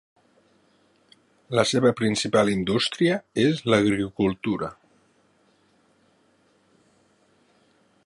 La seva principal indústria és l'agricultura.